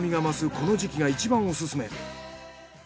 この時期がいちばんおすすめ。